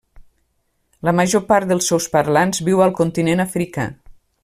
La major part dels seus parlants viu al continent africà.